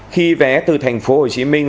khi vé từ thành phố hồ chí minh